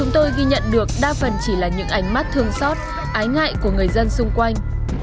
tôi ghi nhận được đa phần chỉ là những ánh mắt thương xót ái ngại của người dân xung quanh